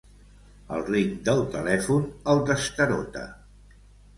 El ring del telèfon el destarota.